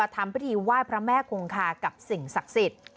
ทำพิธีไหว้พระแม่คงคากับสิ่งศักดิ์สิทธิ์